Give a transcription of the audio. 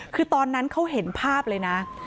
คือตอนนั้นเขาเห็นภาพเลยนะ